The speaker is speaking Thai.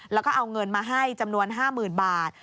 แล้วก็เอาเงินมาให้จำนวน๕๐๐๐บาท